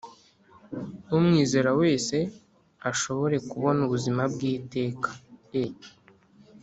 umwizera wese ashobore kubona ubuzima bw iteka e